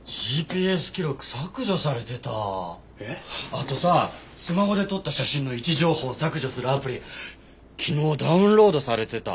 あとさスマホで撮った写真の位置情報を削除するアプリ昨日ダウンロードされてた。